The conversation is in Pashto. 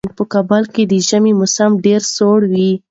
په کابل کې د ژمي موسم ډېر سوړ وي.